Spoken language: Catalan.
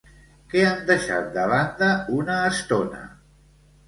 Què han deixat de banda una estona?